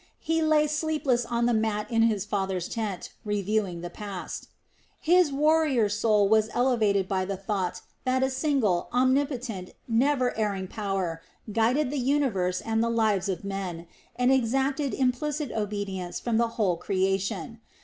He lay sleepless on the mat in his father's tent, reviewing the past. His warrior soul was elevated by the thought that a single, omnipotent, never erring Power guided the universe and the lives of men and exacted implicit obedience from the whole creation.